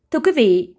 thưa quý vị